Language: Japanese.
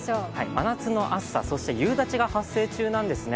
真夏の暑さ、そして夕立が発生中なんですね。